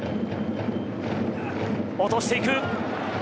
落としていった。